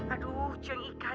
aduh jeng ika